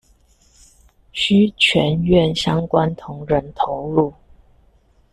需全院相關同仁投入